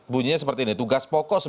bunyinya seperti ini tugas pokok